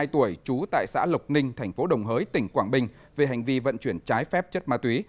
hai mươi tuổi trú tại xã lộc ninh thành phố đồng hới tỉnh quảng bình về hành vi vận chuyển trái phép chất ma túy